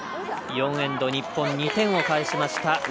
４エンド、日本２点を返しました。